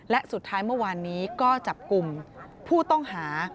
และสุดท้ายเมื่อวานนี้ก็จับกลุ่มผู้ต้องหา